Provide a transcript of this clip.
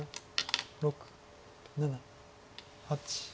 ６７８。